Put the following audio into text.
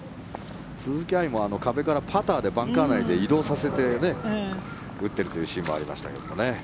鈴木愛も壁からパターでバンカー内で移動させて打っているというシーンもありましたけどね。